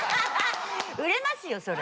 売れますよそれ。